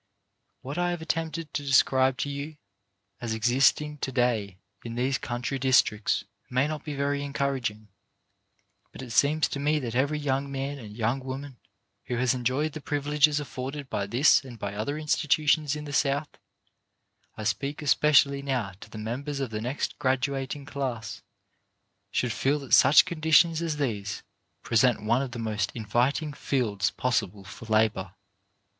What I have attempted to describe to you as existing to day in these country districts may not be very encouraging, but it seems to me that every young man and young woman who has en joyed the privileges afforded by this and by other institutions in the South — I speak especially now to the members of the next graduating class — should feel that such conditions as these present one of the most inviting fields possible for labour.